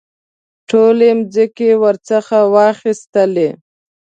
ټولې مځکې ورڅخه واخیستلې.